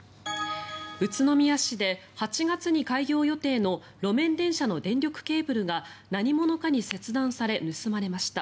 宇都宮市で８月に開業予定の路面電車の電力ケーブルが何者かに切断され盗まれました。